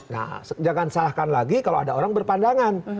nah jangan salahkan lagi kalau ada orang berpandangan